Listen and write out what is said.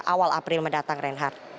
awal april mendatang renhar